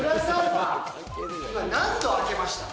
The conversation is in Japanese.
今何度開けました？